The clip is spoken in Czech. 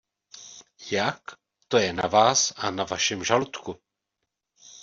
Jak? – to je na Vás a na Vašem žaludku.